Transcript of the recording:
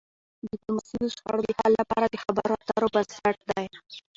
ډيپلوماسي د شخړو د حل لپاره د خبرو اترو بنسټ دی.